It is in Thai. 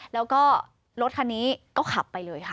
แล้วก็รถคันนี้ก็ขับไปเลยค่ะ